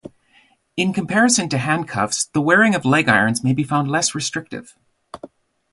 In comparison to handcuffs the wearing of leg irons may be found less restrictive.